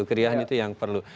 keriuhan itu yang perlu